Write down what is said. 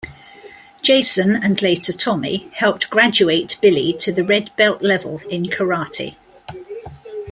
Jason and later Tommy helped graduate Billy to the red belt level in karate.